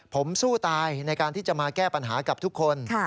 ผมสู้ตายในการที่จะมาแก้ปัญหากับทุกคน